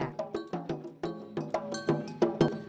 ketika mereka menang mereka akan menang